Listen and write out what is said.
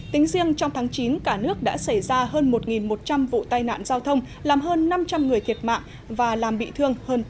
tính riêng trong tháng chín cả nước đã xảy ra hơn một một trăm linh vụ tai nạn giao thông làm hơn năm trăm linh người thiệt mạng và làm bị thương hơn tám mươi